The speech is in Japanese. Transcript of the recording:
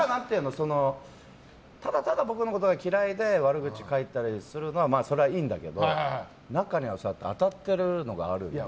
ただただ僕のことが嫌いで悪口書いたりするのはそれはいいんだけど、中には当たっているのがあるので。